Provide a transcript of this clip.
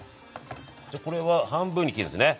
じゃあこれは半分に切るんですね？